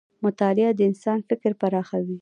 مطالعه د انسان فکر پراخوي.